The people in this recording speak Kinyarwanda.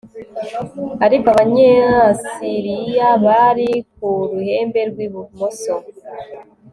ariko abanyasiriya bari ku ruhembe rw'ibumoso